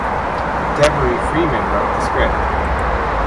Devery Freeman wrote the script.